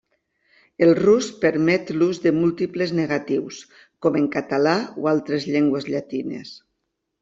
El rus permet l'ús de múltiples negatius, com en català o altres llengües llatines.